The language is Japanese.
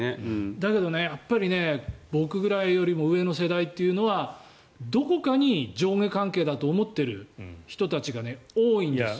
だけど、僕ぐらいよりも上の世代というのはどこかに上下関係だと思っている人たちが多いんですよ。